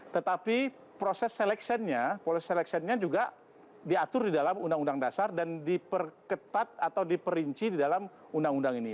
tetapi proses seleksiannya juga diatur di dalam undang undang dasar dan diperketat atau diperinci di dalam undang undang ini